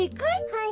はい。